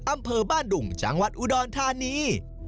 อำเภอบ้านดุงจังหวัดอุดรธานี